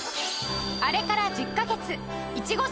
あれから１０カ月イチゴ